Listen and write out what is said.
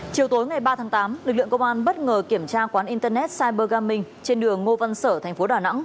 chiều tối ngày ba tháng tám lực lượng công an bất ngờ kiểm tra quán internet cyber gaming trên đường ngô văn sở tp đà nẵng